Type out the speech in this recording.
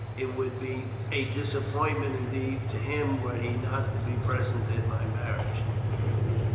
It would be a disappointment indeed to him were he not to be present at my marriage.